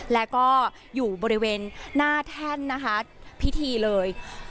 แล้วก็อยู่บริเวณหน้าแท่นนะคะพิธีเลย